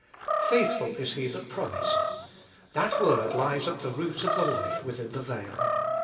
Faithful is He that promised : that word lies at the root of the life within the veil.